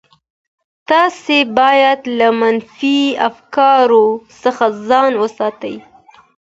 تاسي باید له منفي افکارو څخه ځان وساتئ.